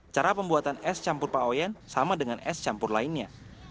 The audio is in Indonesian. cara pembuatan es campur paoyen sama dengan es campur lainnya